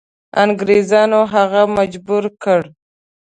انګریزانو هغه مجبور کړ.